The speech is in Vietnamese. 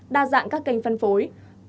đa dạng các kênh phân phối